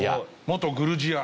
元グルジア。